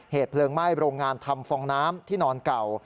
เหตุเพลิงไหม้โรงงานทำฟองน้ำที่นอนเก่า